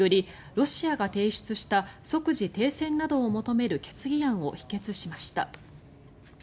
ロシアが提出した即時停戦などを求める決議案を否決しました。